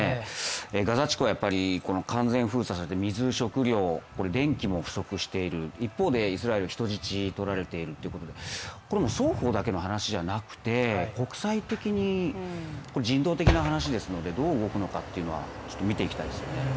ガザ地区は完全封鎖されて水、食料、電気も不足している、一方でイスラエル、人質とられているということで双方だけの話じゃなくて、国際的に人道的な話ですのでどう動くのかというのは見ていきたいですよね